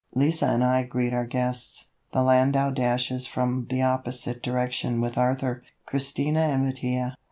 Lise and I greet our guests, the landau dashes up from the opposite direction with Arthur, Christina and Mattia.